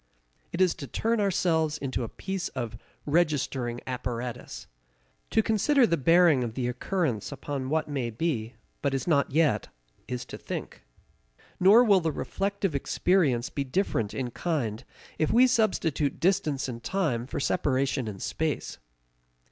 It is to turn ourselves into a piece of registering apparatus. To consider the bearing of the occurrence upon what may be, but is not yet, is to think. Nor will the reflective experience be different in kind if we substitute distance in time for separation in space.